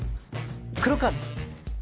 黒川です